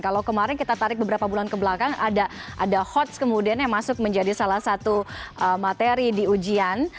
kalau kemarin kita tarik beberapa bulan kebelakang ada hots kemudian yang masuk menjadi salah satu materi di ujian